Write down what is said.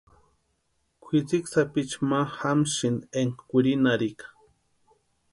Kwʼitsiki sapichu ma jamsïnti énka kwirinharhika.